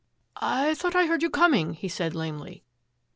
" I thought I heard you coming," he said lamely.